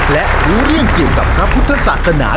และรู้เรื่องเกี่ยวกับพระพุทธศาสนา